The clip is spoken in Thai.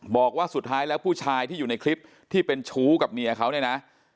บอกว่าสุดท้ายแล้วผู้ชายที่อยู่ในคลิปที่เป็นชู้กับเมียเขาเนี่ยนะ